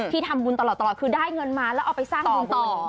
ที่ทำบุญตลอดคือได้เงินมาแล้วเอาไปสร้างบุญต่อ